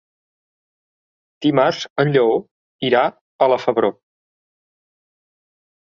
Dimarts en Lleó irà a la Febró.